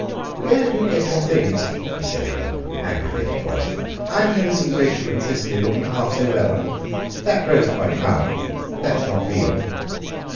"Where do you get your things?" he said in an aggravated voice. "I never see Rachel and Cicely looking half so well. That rose point, now—that's not real!"